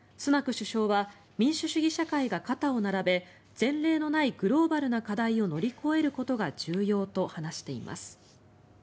首相は民主主義社会が肩を並べ前例のないグローバルな課題を乗り越えることが重要と話しています。